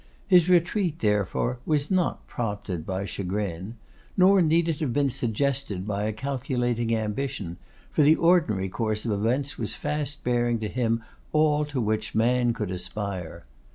His retreat, therefore, was not prompted by chagrin. Nor need it have been suggested by a calculating ambition, for the ordinary course of events was fast bearing to him all to which man could aspire.